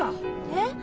えっ！？